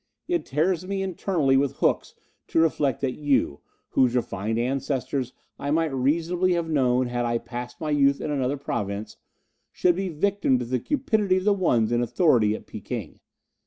"It tears me internally with hooks to reflect that you, whose refined ancestors I might reasonably have known had I passed my youth in another Province, should be victim to the cupidity of the ones in authority at Peking.